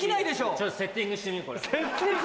ちょっとセッティングしてみようこれ。